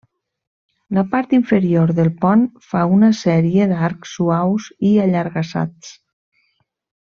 La part inferior del pont fa una sèrie d'arcs suaus i allargassats.